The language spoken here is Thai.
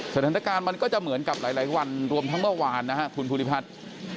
สถานการณ์มันก็จะเหมือนกับหลายวันรวมทั้งเมื่อวานนะครับคุณภูริพัฒน์